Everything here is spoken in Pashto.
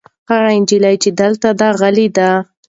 هغه نجلۍ چې دلته ده غلې ده.